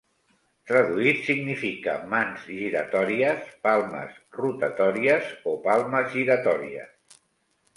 Traduït, significa "mans giratòries", "palmes rotatòries" o "palmes giratòries".